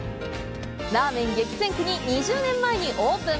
ラーメン激戦区に２０年前にオープン。